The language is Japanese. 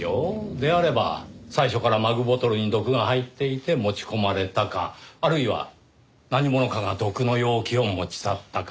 であれば最初からマグボトルに毒が入っていて持ち込まれたかあるいは何者かが毒の容器を持ち去ったか。